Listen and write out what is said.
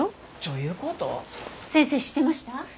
先生知ってました？